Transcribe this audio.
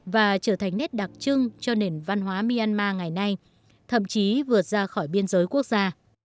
và trở thành nét đặc trưng cho nền văn hóa myanmar ngày nay thậm chí vượt ra khỏi biên giới quốc gia